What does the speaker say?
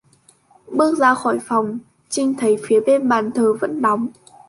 Bước ra khỏi phòng chinh thấy phía bên bàn thờ vẫn đóng